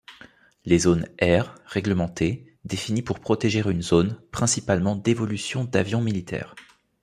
Les zones R, réglementées, définies pour protéger une zone, principalement d'évolution d'avions militaires.